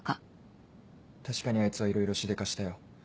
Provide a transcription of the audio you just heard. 確かにあいつはいろいろしでかしたよ。